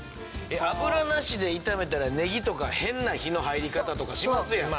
油なしで炒めたらねぎとか変な火の入り方とかしますやん。